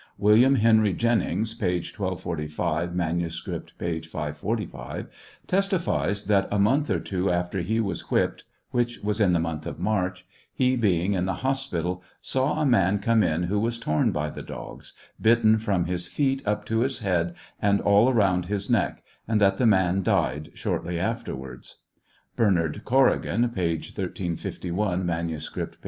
William Henry Jennings (p. 1245; manuscript, p. 545) testifies that a month or two after he was whipped, which was in the month of March, he being in the hospital, saw a m.in come in who was torn by the dogs — bitten from his feet up to his head and all round his neck, and that the man died shortly afterwards. Bernard Corrigan (p. 1351 ; manuscript, p.